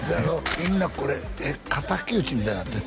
みんなこれ敵討ちみたいになってんな